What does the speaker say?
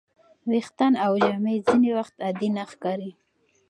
ویښتان او جامې ځینې وخت عادي نه ښکاري.